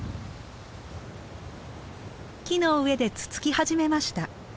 木の上でつつき始めました。